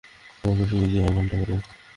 তোমার ফ্রী দিয়া ঘন্টা করব!